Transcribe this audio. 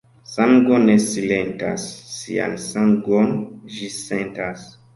Sango ne silentas, sian sangon ĝi sentas.